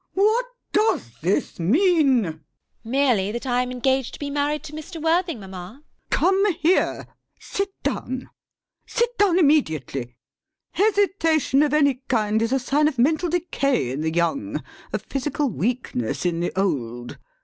What does this mean? GWENDOLEN. Merely that I am engaged to be married to Mr. Worthing, mamma. LADY BRACKNELL. Come here. Sit down. Sit down immediately. Hesitation of any kind is a sign of mental decay in the young, of physical weakness in the old.